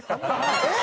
えっ！